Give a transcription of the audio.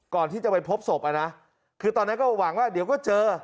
ก่อนที่จะไปพบศพอ่ะนะคือตอนนั้นก็หวังว่าเดี๋ยวก็เจอ